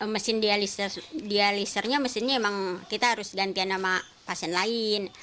mesinnya memang kita harus gantian nama pasien lain